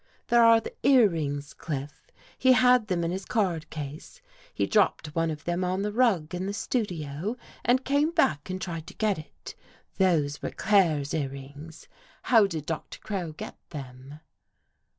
There are the earrings, Cliff. He had them in his card case. He dropped one of them on the rug in the studio and came back and tried to get it. Those were Claire's earrings. How did Doctor Crow get them